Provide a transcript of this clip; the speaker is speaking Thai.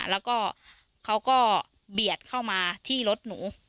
แล้วก็เขาก็เบียดเข้ามาที่รถหนู